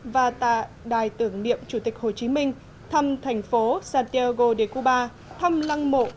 và tại đài tưởng niệm chủ tịch hồ chí minh thăm thành phố santiago de cuba thăm lăng mộ